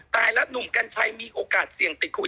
ตายแล้วหนุ่มกัญชัยมีโอกาสเสี่ยงติดโควิด